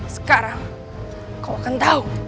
sekarang kau akan tahu